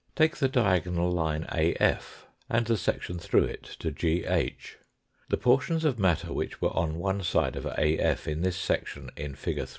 Take the diagonal line AF and the section through it to GH. The portions of matter which were on one side of AF in this section in fig.